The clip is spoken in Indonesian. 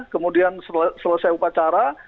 kemudian selesai upacara